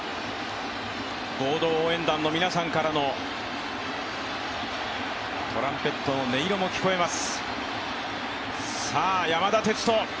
合同応援団の皆さんからのトランペットの音色も聞こえます。